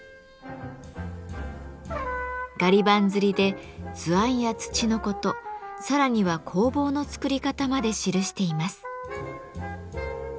ガリ版刷りで図案や土のことさらには工房の作り方まで記しています。